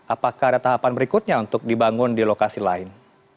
apakah ada tahapan berikutnya untuk dibangun di lokasi lain